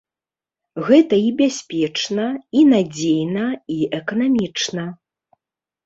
Гэта і бяспечна, і надзейна, і эканамічна.